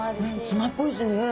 ツナっぽいですね。